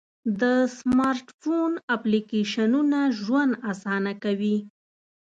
د سمارټ فون اپلیکیشنونه ژوند آسانه کوي.